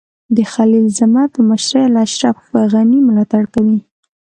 د خلیل زمر په مشرۍ له اشرف غني ملاتړ کوي.